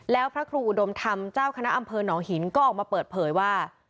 แล้วพระครูอุดมธรรมเจ้าคณะอำเภอหนองหินก็ออกมาเปิดเผยว่า